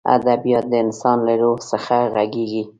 ادبیات د انسان له روح څخه غږېږي.